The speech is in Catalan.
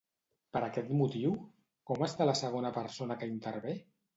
Per aquest motiu, com està la segona persona que intervé?